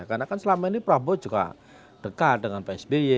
karena selama ini prabowo juga dekat dengan psb